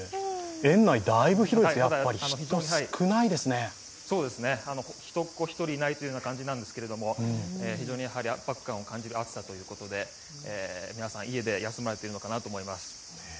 園内だいぶ広いですが、やっぱり人っ子１人いないという状態なんですが非常に圧迫感を感じる暑さということで、皆さん、家で休まれているのかなと思います。